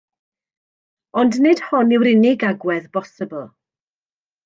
Ond nid hon yw'r unig agwedd bosibl.